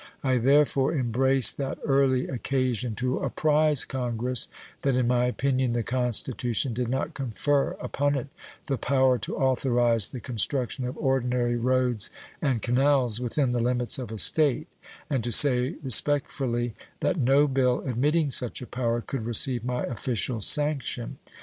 I therefore embraced that early occasion to apprise Congress that in my opinion the Constitution did not confer upon it the power to authorize the construction of ordinary roads and canals within the limits of a State and to say, respectfully, that no bill admitting such a power could receive my official sanction.